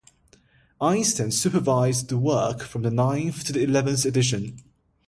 Einstein supervised the work from the ninth to the eleventh edition.